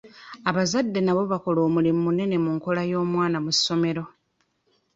Abazadde nabo bakola omulimu munene ku nkola y'omwana mu ssomero.